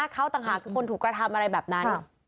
เขาต่างหากคือคนถูกกระทำอะไรแบบนั้น